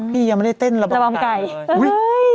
พี่ยังไม่ได้เต้นระบำไก่